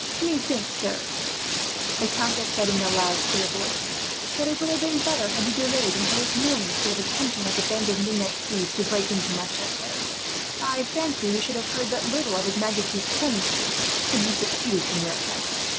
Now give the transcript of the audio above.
"Methinks, sir," the countess said, in a loud clear voice, "that it would have been better had you delayed until this morning, instead of attempting, like a band of midnight thieves, to break into my chateau. I fancy we should have heard but little of his majesty's clemency, had you succeeded in your attempt.